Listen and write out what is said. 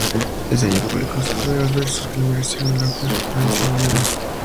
Ese año publicó sus primeros versos, que le merecieron elogios de Florencio Varela.